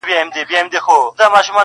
نه پاچا نه حکمران سلطان به نسې,